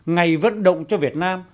ngày vất động cho việt nam